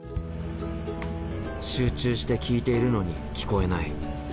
集中して聞いているのに聞こえない。